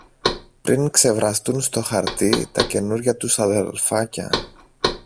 πριν ξεβραστούν στο χαρτί τα καινούρια τους αδελφάκια